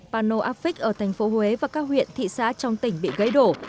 pano áp phích ở thành phố huế và các huyện thị xã trong tỉnh bị gãy đổ